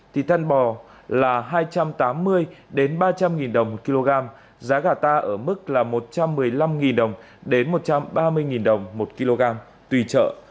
thì thân bò là hai trăm tám mươi ba trăm linh đồng một kg giá gà ta ở mức là một trăm một mươi năm đồng đến một trăm ba mươi đồng một kg tùy chợ